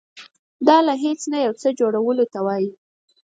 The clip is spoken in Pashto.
دا له هیڅ نه یو څه جوړولو ته وایي.